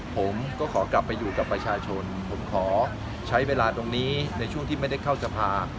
ผมก็ขอกลับไปอยู่กับประชาชนผมขอใช้เวลาตรงนี้ในช่วงที่ไม่ได้เข้าสภา